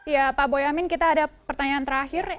ya pak boyamin kita ada pertanyaan terakhir